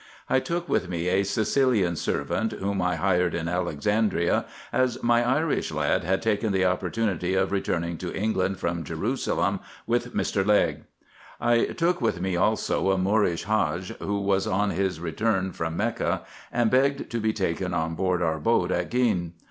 I took with me a Sicilian servant, whom I hired in Alexandria, as my Irish lad had taken the opportunity of returning to England from Jerusalem with Mr. Legh. I took with me, also, a Moorish Hadge, who was on his return from Mecca, and begged to be taken on board our boat at Gene.